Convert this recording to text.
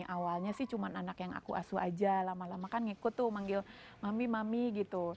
awalnya sih cuma anak yang aku asuh aja lama lama kan ngikut tuh manggil mami mami gitu